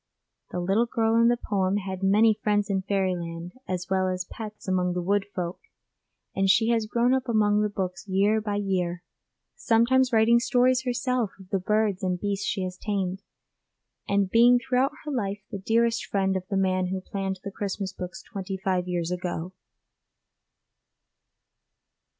The little girl in the poem had many friends in fairyland as well as pets among the wood folk, and she has grown up among the books year by year, sometimes writing stories herself of the birds and beasts she has tamed, and being throughout her life the dearest friend of the man who planned the Christmas books twenty five years ago.